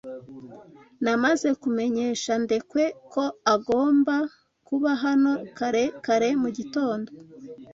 Namaze kumenyesha Ndekwe ko agomba kuba hano kare kare mugitondo.